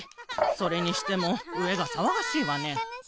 それにしてもうえがさわがしいわね。